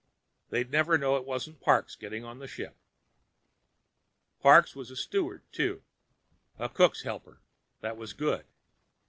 They'd never know it wasn't Parks getting on the ship. Parks was a steward, too. A cook's helper. That was good.